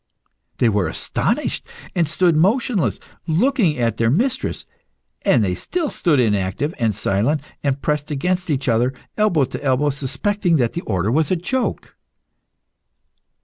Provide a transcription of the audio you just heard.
They were astonished, and stood motionless, looking at their mistress. And they still stood inactive and silent, and pressed against each other, elbow to elbow, suspecting that the order was a joke.